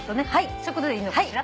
そういうことでいいのかしら。